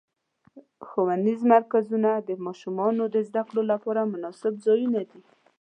ښوونیز مرکزونه د ماشومانو د زدهکړو لپاره مناسب ځایونه دي.